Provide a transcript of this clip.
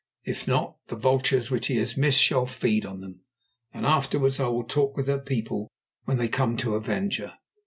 If not, the vultures which he has missed shall feed on them, and afterwards I will talk with her people when they come to avenge her.